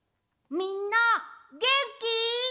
みんなげんき？